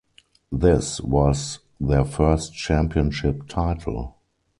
This was their first championship title.